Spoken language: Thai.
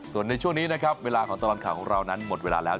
ส่วนในช่วงนี้นะครับเวลาของตลอดข่าวของเรานั้นหมดเวลาแล้ว